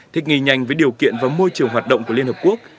thích nghi nhanh với điều kiện và môi trường hoạt động của liên hợp quốc